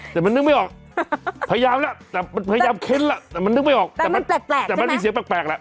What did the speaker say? แต่มันนึกไม่ออกพยายามแล้วแต่มันพยายามเค้นแหละแต่มันนึกไม่ออกแต่มันแปลกแต่มันมีเสียงแปลกแหละ